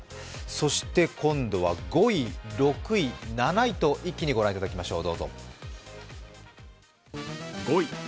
そして今度は５位、６位、７位と一気にご覧いただきましょう。